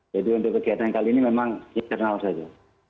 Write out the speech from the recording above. jadi untuk kegiatan kali ini memang internal saja